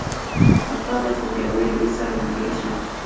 افکار بايد له پياوړي دريځ سره ملګري شي.